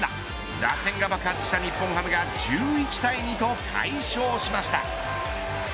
打線が爆発した日本ハムが１１対２と快勝しました。